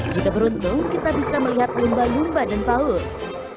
jika beruntung kita bisa melihat lumba lumba dan paus